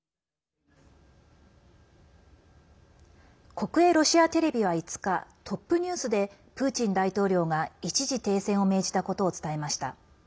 国営ロシアテレビは５日トップニュースでプーチン大統領が一時停戦を命じたことを伝えました。